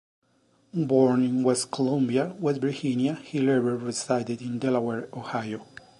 Born in West Columbia, West Virginia, he later resided in Delaware, Ohio.